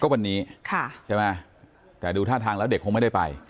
วันนี้ใช่ไหมแต่ดูท่าทางแล้วเด็กคงไม่ได้ไป